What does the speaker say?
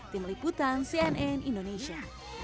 tim liputan cnn indonesia